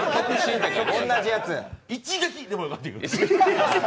「一撃」でもよかったけど。